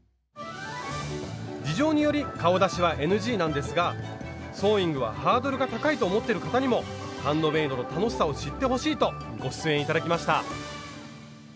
事情により顔出しはＮＧなんですがソーイングはハードルが高いと思ってる方にもハンドメイドの楽しさを知ってほしいとご出演頂きました。